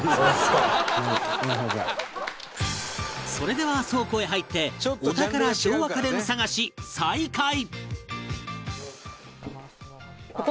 それでは倉庫へ入ってお宝昭和家電探し再開